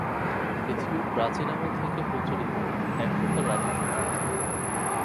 পৃথিবীর প্রাচীন আমল থেকে প্রচলিত এক প্রকার রাজস্ব চুক্তি।